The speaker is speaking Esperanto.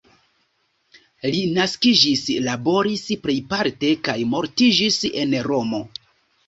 Li naskiĝis, laboris plejparte kaj mortiĝis en Romo.